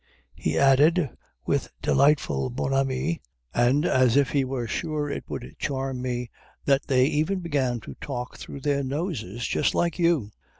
He added, with delightful bonhomie, and as if he were sure it would charm me, that "they even began to talk through their noses, just like you!"